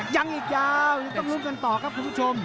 ยังอีกยาวยังต้องลุ้นกันต่อครับคุณผู้ชม